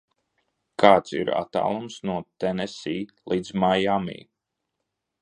Kāds ir attālums no Tenesī līdz Maiami?